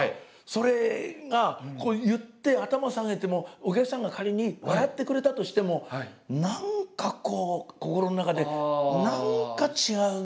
それが言って頭を下げてもお客さんが仮に笑ってくれたとしても何かこう心の中で何か違うんだよなって。